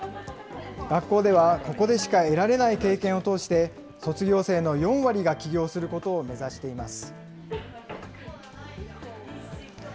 学校では、ここでしか得られない経験を通して、卒業生の４割が起業することを目指しています。